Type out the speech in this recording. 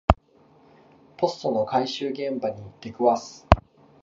ポストの回収現場に出くわす